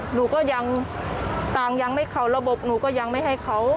หนูก็ยังต่างยังไม่เข้าระบบหนูก็ยังไม่ให้เขา